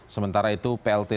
sementara itu pt biomorph